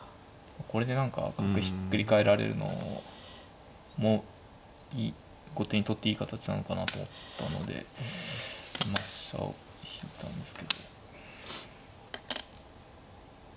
これで何か角ひっくり返られるのも後手にとっていい形なのかなと思ったのでまあ飛車を引いたんですけど。